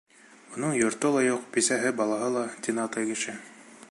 Уның йорто ла юҡ, бисәһе, балаһы ла... -тине атай кеше.